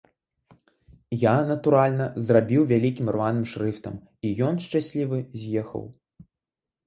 Я, натуральна, зрабіў вялікім рваным шрыфтам, і ён, шчаслівы, з'ехаў.